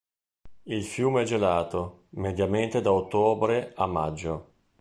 Il fiume è gelato, mediamente, da ottobre a maggio.